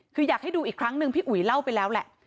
คืออยากให้ดูอีกครั้งหนึ่งพี่อุ๋ยเล่าไปแล้วแหละ